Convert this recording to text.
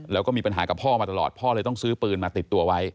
แล้วก็มีปัญหากับพ่อมาตลอดพ่อเลยต้องซื้อปืนมาติดตัวไว้